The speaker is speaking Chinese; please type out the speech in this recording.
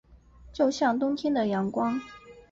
就像冬天的阳光